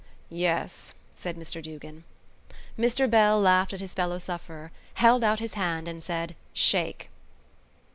"Yes," said Mr Duggan. Mr Bell laughed at his fellow sufferer, held out his hand and said: "Shake!"